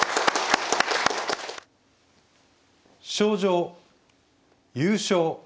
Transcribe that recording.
「賞状優勝